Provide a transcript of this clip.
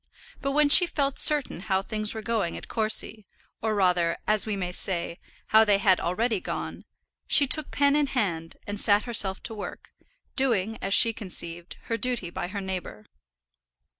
But when she felt certain how things were going at Courcy, or rather, as we may say, how they had already gone, she took pen in hand, and sat herself to work, doing, as she conceived, her duty by her neighbour.